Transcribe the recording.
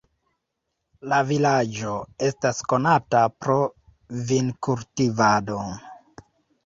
La vilaĝo estas konata pro vinkultivado.